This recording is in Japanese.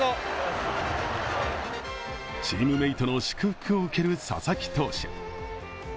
チームメートの祝福を受ける佐々木投手。